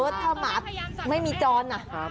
ถ้าหมาไม่มีจรนะ